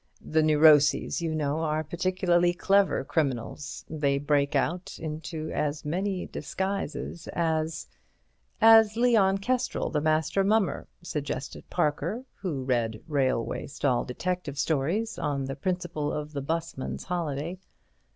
The neuroses, you know, are particularly clever criminals—they break out into as many disguises as—" "As Leon Kestrel, the Master Mummer," suggested Parker, who read railway stall detective stories on the principle of the 'busman's holiday.